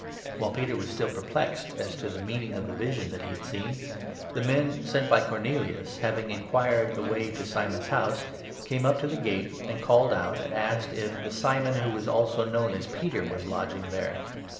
While Peter was still perplexed as to the meaning of the 17 vision that he had seen, the men sent by Cornelius, having enquired the way to Simon's house, came up to the gate, and 18 called out and asked if the Simon, who was also known as Peter, was lodging there.